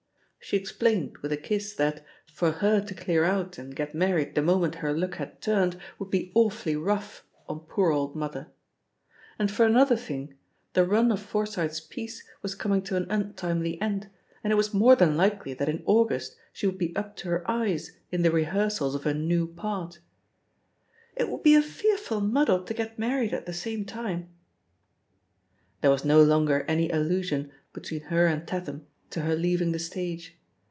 She explained, with a kiss, that "for her to clear out and get married the moment her luck had 266 THE POSITION OF PEGGY HARPER «67 turned would be awfully rough on poor old mother." And, for another thing, the run of Forsyth's piece was coming to an untimely end, and it was more than likely that in August she would be up to her eyes in the rehearsals of a new part "It would be a fearful muddle to get married at the same time/' There was no longer any allusion between her and Tatham to her leaving the stage.